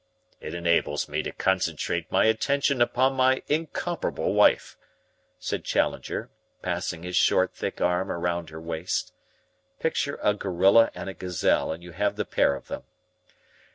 "It enables me to concentrate my attention upon my incomparable wife," said Challenger, passing his short, thick arm round her waist. Picture a gorilla and a gazelle, and you have the pair of them.